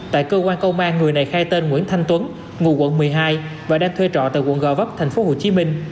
tại cơ quan công an người này khai tên nguyễn thanh tuấn ngụ quận một mươi hai và đang thuê trọ tại quận gò vấp tp hcm